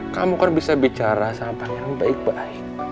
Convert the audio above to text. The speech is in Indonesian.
kamu kan bisa bicara sama pangeran baik baik